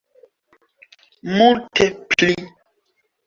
Multe pli.